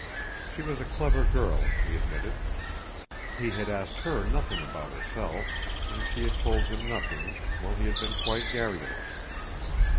She was a clever girl, he admitted. He had asked her nothing about herself, and she had told him nothing, while he had been quite garrulous.